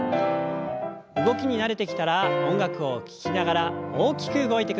動きに慣れてきたら音楽を聞きながら大きく動いてください。